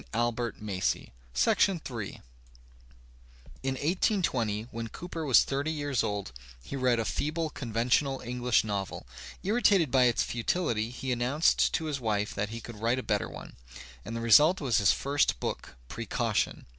Digitized by Google CHAPTER in COOPER In 1820, when Cooper was thirty years old, he read a feeble conventional English novel; irritated by its futility, he an nounced to his wife that he could write a better one, and the result was his first book, "Precaution."